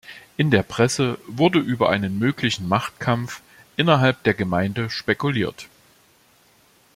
In der Presse wurde über einen möglichen Machtkampf innerhalb der Gemeinde spekuliert.